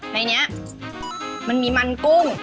ในนี้มันมีมันกุ้ง